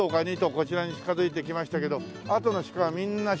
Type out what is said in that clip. こちらに近づいてきましたけどあとの鹿はみんなシカトしてますね。